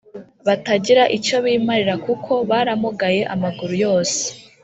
batagira icyo bimarira kuko baramugaye amaguru yose